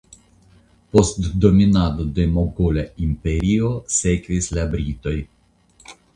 Post dominado de Mogola Imperio sekvis la britoj.